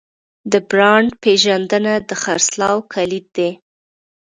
د برانډ پیژندنه د خرڅلاو کلید دی.